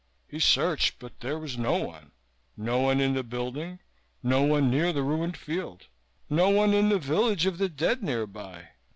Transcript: He searched; but there was no one. No one in the building. No one near the ruined field. No one in the village of the dead nearby.